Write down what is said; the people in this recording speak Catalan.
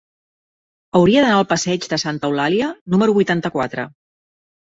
Hauria d'anar al passeig de Santa Eulàlia número vuitanta-quatre.